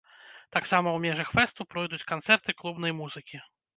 Таксама у межах фэсту пройдуць канцэрты клубнай музыкі.